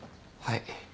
はい。